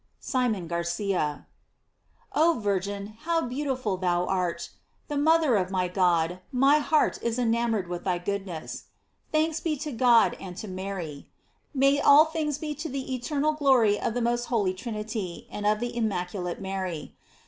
— Simon Garcia. Oh Virgin, how beautiful art thou! Mother of my God, my heart is enamored tyith thy goodness. Thanks be to God arid to Mary. May all things be to the eternal glory of the most holy Trinity, and of the immaculate Mary.